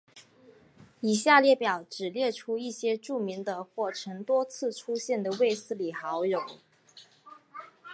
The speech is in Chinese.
以下列表只列出一些著名的或曾多次出现的卫斯理好友。